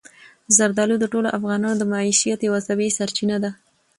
زردالو د ټولو افغانانو د معیشت یوه طبیعي سرچینه ده.